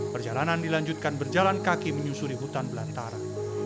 perjalanan dilanjutkan berjalan kaki menyusuri hutan belantara